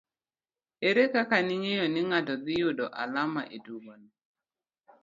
Ere kaka ne ing'eyo ni ng'ato dhi yudo alama e tugono